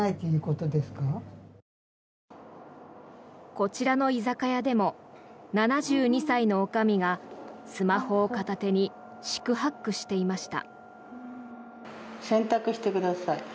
こちらの居酒屋でも７２歳のおかみがスマホを片手に四苦八苦していました。